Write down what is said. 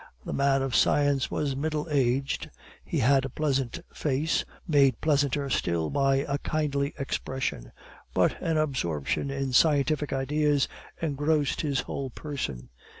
The man of science was middle aged; he had a pleasant face, made pleasanter still by a kindly expression, but an absorption in scientific ideas engrossed his whole person.